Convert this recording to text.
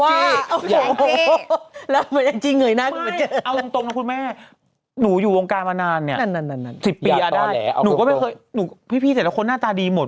สิบปีอ่ะด้านหนูก็ไม่เคยพี่เสร็จแล้วคนหน้าตาดีหมด